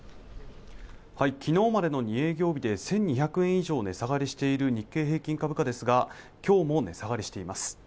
昨日までの２営業日で１２００円以上値下がりしている日経平均株価ですが今日も値下がりしています